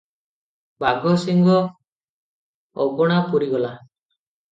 ବାଘସିଂ ଅଗଣା ପୂରିଗଲା ।